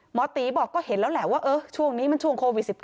หมอตีบอกก็เห็นแล้วแหละว่าช่วงนี้มันช่วงโควิด๑๙